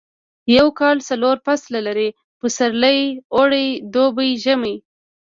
یو کال څلور فصله لري پسرلی اوړی دوبی ژمی